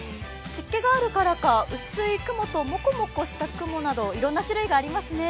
湿気があるからか薄い雲ともくもくした雲などいろんな種類がありますね。